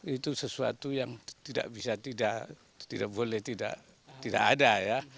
itu sesuatu yang tidak bisa tidak boleh tidak ada ya